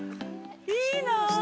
◆いいな。